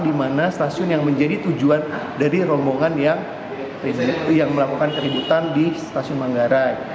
di mana stasiun yang menjadi tujuan dari rombongan yang melakukan keributan di stasiun manggarai